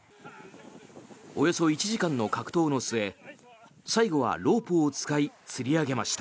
およそ１時間の格闘の末最後はロープを使い釣り上げました。